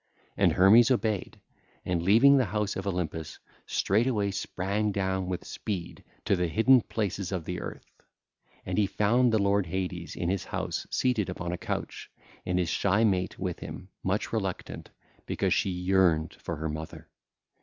And Hermes obeyed, and leaving the house of Olympus, straightway sprang down with speed to the hidden places of the earth. And he found the lord Hades in his house seated upon a couch, and his shy mate with him, much reluctant, because she yearned for her mother.